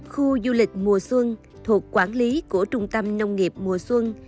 khu du lịch mùa xuân thuộc quản lý của trung tâm nông nghiệp mùa xuân